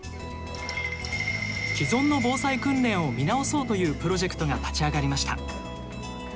既存の防災訓練を見直そうというプロジェクトが立ち上がりました。